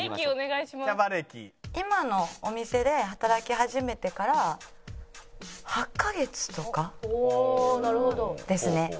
今のお店で働き始めてから８カ月とかですね。